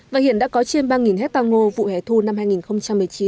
và hiện đã có trên ba hectare ngô vụ hẻ thu năm hai nghìn một mươi chín